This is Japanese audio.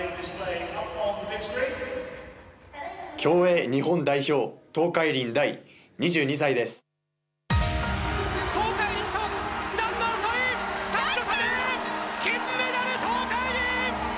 競泳日本代表東海林大、２２歳です。